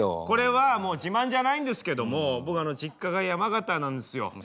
これはもう自慢じゃないんですけども僕実家が山形なんですよ。